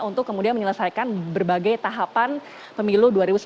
untuk kemudian menyelesaikan berbagai tahapan pemilu dua ribu sembilan belas